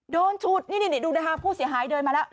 ฉุดนี่ดูนะคะผู้เสียหายเดินมาแล้ว